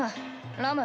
ラム。